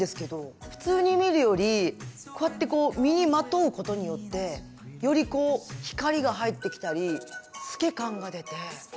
普通に見るよりこうやってこう身にまとうことによってよりこう光が入ってきたり透け感が出て。